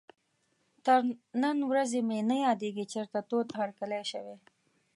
تر نن ورځې مې نه یادېږي چېرته تود هرکلی شوی.